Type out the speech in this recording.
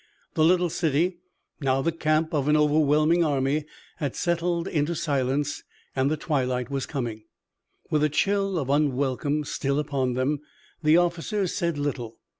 The little city, now the camp of an overwhelming army, had settled into silence, and the twilight was coming. With the chill of unwelcome still upon them the officers said little.